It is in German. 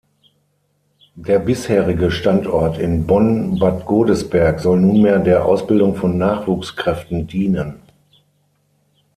Der bisherige Standort in Bonn-Bad Godesberg soll nunmehr der Ausbildung von Nachwuchskräften dienen.